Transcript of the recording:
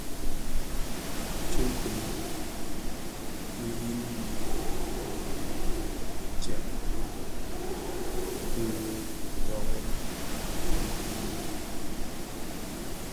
Tsoo kiňèn ki yin mi nnë tsèb ki kitöňèn ki yin mi.